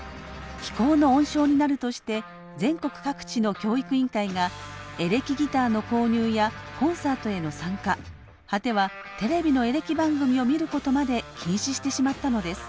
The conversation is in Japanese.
非行の温床になるとして全国各地の教育委員会がエレキギターの購入やコンサートへの参加果てはテレビのエレキ番組を見ることまで禁止してしまったのです。